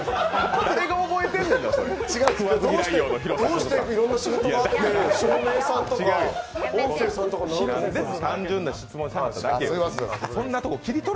誰が覚えてんねんな、それ。